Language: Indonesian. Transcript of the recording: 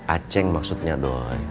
aceh maksudnya doi